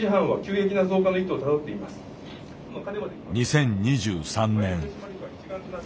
２０２３年。